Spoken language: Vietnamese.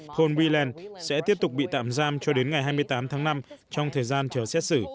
thôn briland sẽ tiếp tục bị tạm giam cho đến ngày hai mươi tám tháng năm trong thời gian chờ xét xử